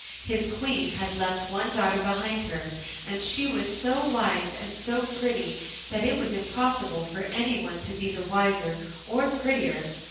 His Queen had left one daughter behind her, and she was so wise and so pretty that it was impossible for any one to be wiser or prettier.